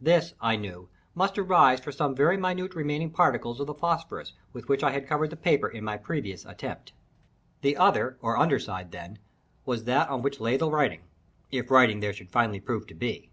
This, I knew, must arise from some very minute remaining particles of the phosphorus with which I had covered the paper in my previous attempt. The other, or under side, then, was that on which lay the writing, if writing there should finally prove to be.